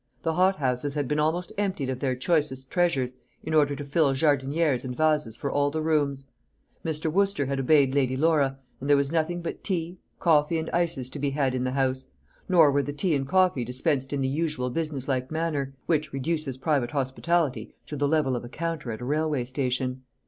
The hothouses had been almost emptied of their choicest treasures in order to fill jardinières and vases for all the rooms. Mr. Wooster had obeyed Lady Laura, and there was nothing but tea, coffee, and ices to be had in the house; nor were the tea and coffee dispensed in the usual business like manner, which reduces private hospitality to the level of a counter at a railway station.